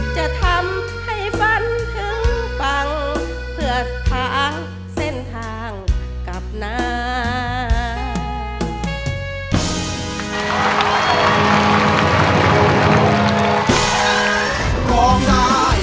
จะทำให้ฝันถึงฟังเพื่อหาเส้นทางกับน้ำ